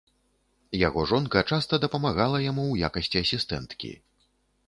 Яго жонка часта дапамагала яму ў якасці асістэнткі.